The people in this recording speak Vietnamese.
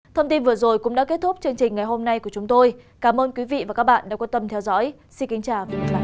thông tin vừa rồi cũng đã kết thúc chương trình ngày hôm nay của chúng tôi cảm ơn quý vị và các bạn đã quan tâm theo dõi xin kính chào và hẹn gặp lại